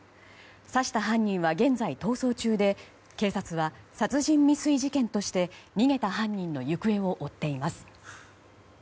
刺した犯人は現在、逃走中で警察は殺人未遂事件として逃げた犯人の行方を追っています。